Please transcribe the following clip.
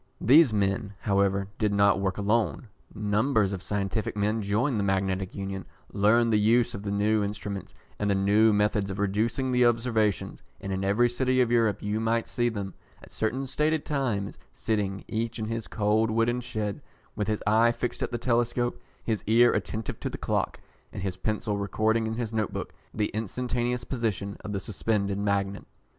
These men, however, did not work alone. Numbers of scientific men joined the Magnetic Union, learned the use of the new instruments and the new methods of reducing the observations; and in every city of Europe you might see them, at certain stated times, sitting, each in his cold wooden shed, with his eye fixed at the telescope, his ear attentive to the clock, and his pencil recording in his note book the instantaneous position of the suspended magnet.